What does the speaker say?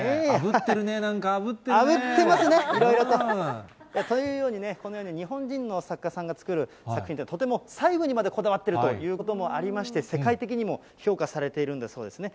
あぶってるね、なんか、あぶってますね、いろいろと。というように、このように日本人の作家さんが作る作品って、とても細部にまでこだわってるということもありまして、世界的にも評価されているんだそうですね。